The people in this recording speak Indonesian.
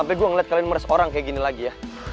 nggak mungkin lah